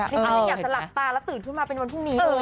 ฉันอยากจะหลับตาแล้วตื่นขึ้นมาเป็นวันพรุ่งนี้เลย